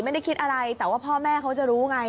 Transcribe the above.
ไม่ได้คิดอะไรแต่ว่าพ่อแม่เขาจะรู้ไง